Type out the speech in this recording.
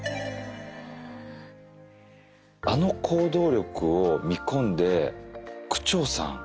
あの行動力を見込んで区長さん